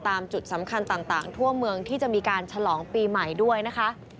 ตามจุดสำคัญต่างทั่วเมืองที่จะมีการฉลองปีใหม่ด้วยนะคะ